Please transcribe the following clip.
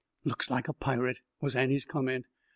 "Looks like a pirate," was Annie's comment.